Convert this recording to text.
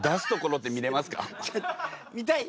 見たい？